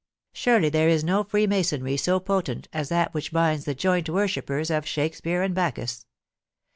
Surely there is no freemasonry so potent as that which binds the joint worshippers of Shakespeare and Bacchus.